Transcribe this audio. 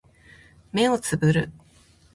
目をつぶる